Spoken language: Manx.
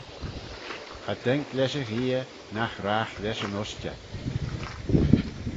Cha daink lesh y gheay, nagh ragh lesh yn ushtey